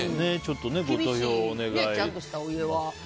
ご投票をお願いします。